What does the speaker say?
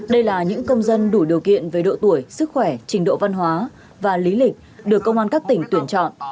đây là những công dân đủ điều kiện về độ tuổi sức khỏe trình độ văn hóa và lý lịch được công an các tỉnh tuyển chọn